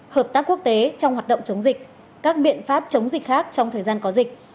hợp tác quốc tế trong hoạt động chống dịch các biện pháp chống dịch khác trong thời gian có dịch